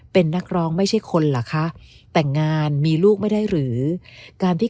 เป็นนักร้องไม่ใช่คนเหรอคะแต่งงานมีลูกไม่ได้หรือการที่